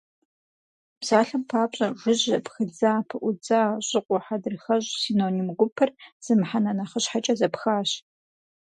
Псалъэм папщӏэ, жыжьэ, пхыдза, пыӀудза, щӀыкъуэ, хьэдрыхэщӀ – синоним гупыр зы мыхьэнэ нэхъыщхьэкӀэ зэпхащ.